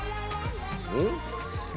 うん？